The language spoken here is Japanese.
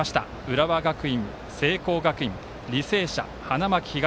浦和学院、聖光学院履正社、花巻東。